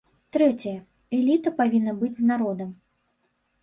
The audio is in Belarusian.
Трэцяе, эліта павінна быць з народам.